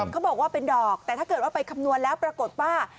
เขาบอกว่าเป็นดอกแต่ถ้าเกิดว่าไปคำนวณแล้วปรากฏว่า